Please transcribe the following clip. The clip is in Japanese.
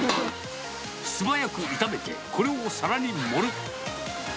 素早く炒めて、これを皿に盛る。